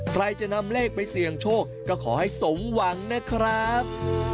ใครจะนำเลขไปเสี่ยงโชคก็ขอให้สมหวังนะครับ